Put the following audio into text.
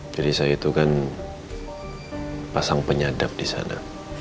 jadi saya itu kan pasang penyadap disana